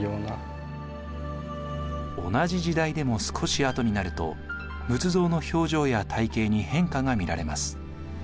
同じ時代でも少しあとになると仏像の表情や体形に変化が見られます。